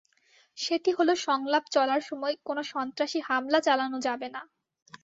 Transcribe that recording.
সেটি হলো সংলাপ চলার সময় কোনো সন্ত্রাসী হামলা চালানো যাবে না।